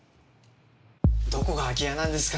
どこが空き家なんですか？